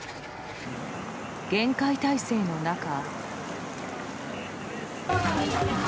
厳戒態勢の中。